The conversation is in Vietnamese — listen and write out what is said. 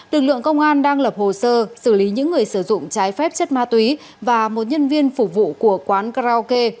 lực lượng công an đang lập hồ sơ xử lý những người sử dụng trái phép chất ma túy và một nhân viên phục vụ của quán karaoke